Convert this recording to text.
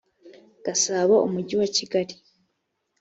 gasabo umujyi wa kigali